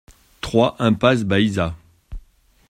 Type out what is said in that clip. trois impasse Baïsa